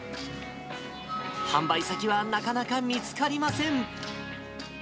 販売先はなかなか見つかりません。